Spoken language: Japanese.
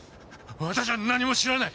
私は何も知らない！